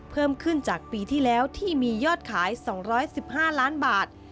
เพิ่มขึ้นจากปีที่แล้วที่มียอดขาย๒๑๕ล้านบาท